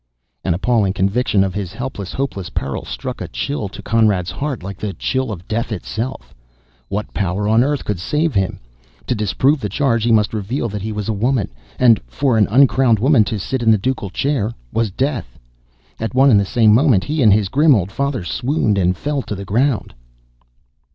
An appalling conviction of his helpless, hopeless peril struck a chill to Conrad's heart like the chill of death itself. What power on earth could save him! To disprove the charge, he must reveal that he was a woman; and for an uncrowned woman to sit in the ducal chair was death! At one and the same moment, he and his grim old father swooned and fell to, the ground.